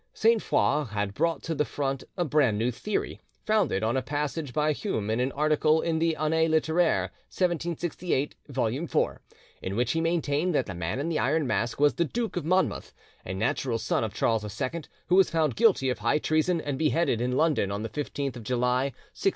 Sainte Foix had brought to the front a brand new theory, founded on a passage by Hume in an article in the 'Annee Litteraire (1768, vol. iv.), in which he maintained that the Man in the Iron Mask was the Duke of Monmouth, a natural son of Charles II, who was found guilty of high treason and beheaded in London on the 15th July 1685.